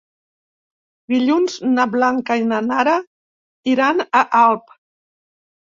Dilluns na Blanca i na Nara iran a Alp.